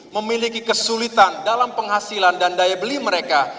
memiliki kesulitan dalam penghasilan dan daya beli mereka